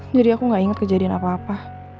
jadi aku gak inget kejadian apa apa